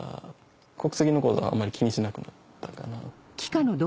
国籍のことはあまり気にしなくなったかな。